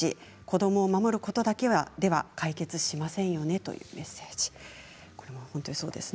子どもを守ることだけでは解決しませんよねというメッセージです。